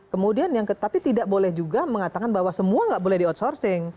kemudian yang tetapi tidak boleh juga mengatakan bahwa semua nggak boleh di outsourcing